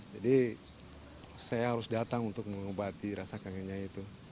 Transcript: jadi saya harus datang untuk mengobati rasa kangennya itu